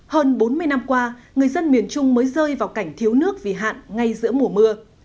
hơn bốn mươi năm qua người dân miền trung mới rơi vào cảnh thiếu nước vì hạn ngay giữa mùa mưa